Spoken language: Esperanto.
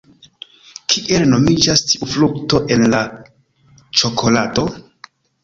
Kiel nomiĝas tiu frukto en la ĉokolado?